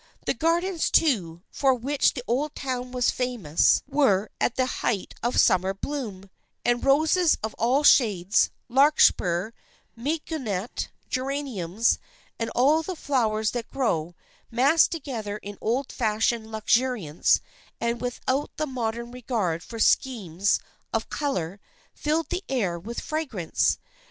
The gardens, too, for which the old town was famous, were at the height of summer bloom, and roses of all shades, larkspur, mignonette, geraniums and all the flowers that grow, massed together in old fashioned luxuriance and without the modern regard for schemes of color, filled the air with fragrance.